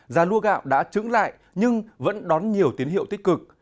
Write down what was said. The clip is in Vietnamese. giá lúa gạo đã trứng lại nhưng vẫn đón nhiều tiến hiệu tích cực